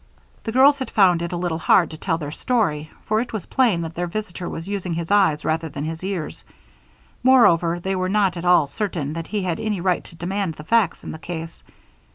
The girls had found it a little hard to tell their story, for it was plain that their visitor was using his eyes rather than his ears; moreover, they were not at all certain that he had any right to demand the facts in the case.